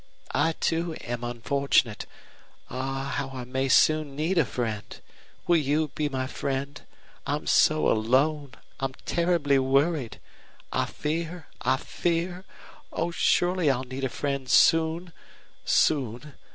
I, too, am unfortunate. Ah, how I may soon need a friend! Will you be my friend? I'm so alone. I'm terribly worried. I fear I fear Oh, surely I'll need a friend soon soon.